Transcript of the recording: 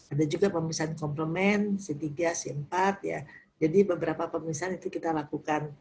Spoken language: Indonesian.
ada juga pemeriksaan komplement c tiga c empat jadi beberapa pemeriksaan itu kita lakukan